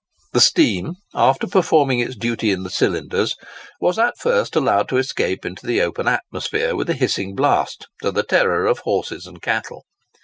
The steam, after performing its duty in the cylinders, was at first allowed to escape into the open atmosphere with a hissing blast, to the terror of horses and cattle.